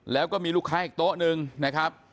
แล้วก็มีลูกค้าอีกโต๊ะหนึ่งนะครับ